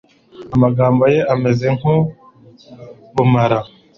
amagambo ye ameze nk' ubumara